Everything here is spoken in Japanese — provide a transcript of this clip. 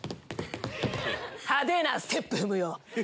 派手なステップ踏むよ。